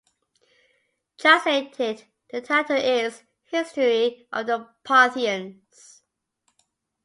Translated, the title is "History of the Parthians".